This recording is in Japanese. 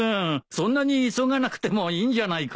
そんなに急がなくてもいいんじゃないか？